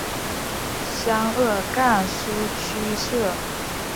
湘鄂赣苏区设。